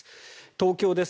東京です。